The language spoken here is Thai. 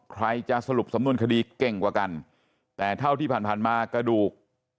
ใครจะสรุปสำนวนคดีเก่งกว่ากันแต่เท่าที่ผ่านมากระดูก